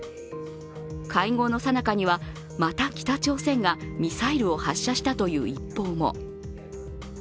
会合のさなかには、また北朝鮮がミサイルを発射したという一報も。